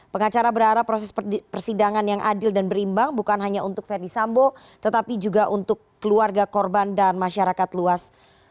pengacara berharap proses persidangan yang adil dan berimbang bukan hanya untuk verdi sambo tetapi juga untuk keluarga korban dan masyarakat luas